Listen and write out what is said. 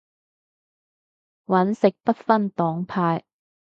搵食不分黨派